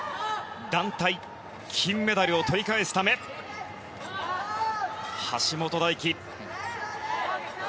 団体、金メダルをとり返すため橋本大輝。